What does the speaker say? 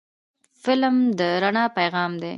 فلم د رڼا پیغام دی